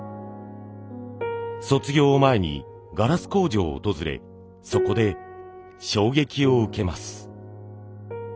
卒業を前にガラス工場を訪れそこで衝撃を受けます。